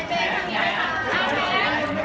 ขอบคุณแม่ก่อนต้องกลางนะครับ